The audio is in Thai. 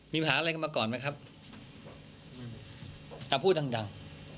มีปัญหาอะไรกันมาก่อนไหมครับแต่พูดดังดัง